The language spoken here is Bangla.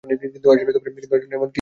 কিন্তু আসলে এমন কিছুই ছিল না।